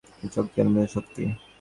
ঝড়েরও যে কী অদ্ভুত সম্মোহনী শক্তি!